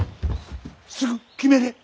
すぐ決めれ。